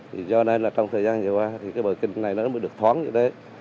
thì do nên là trong thời gian vừa qua thì cái bờ kinh này nó mới được thoáng như thế